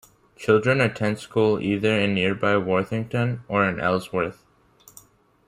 Children attend school either in nearby Worthington or in Ellsworth.